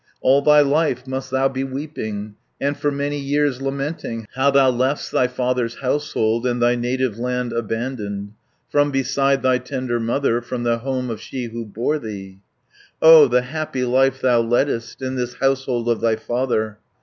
All thy life must thou be weeping, And for many years lamenting, 70 How thou left'st thy father's household, And thy native land abandoned, From beside thy tender mother, From the home of she who bore thee. "O the happy life thou leddest, In this household of thy father!